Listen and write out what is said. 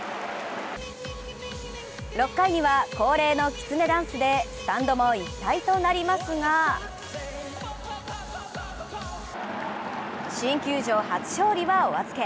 ６回には恒例のきつねダンスでスタンドも一体となりますが新球場初勝利はお預け。